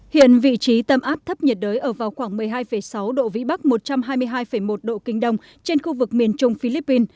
hiện vị trí tâm áp thấp nhiệt đới ở vào khoảng một mươi hai sáu độ vĩ bắc một trăm hai mươi hai một độ kinh đông trên khu vực miền trung philippines